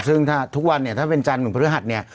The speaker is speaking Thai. ซึ่งถ้าทุกวันเนี่ยถ้าเป็นจันทร์ถึงพฤหัสเนี่ย